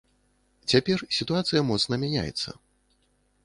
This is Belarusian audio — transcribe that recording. Цяпер сітуацыя моцна мяняецца.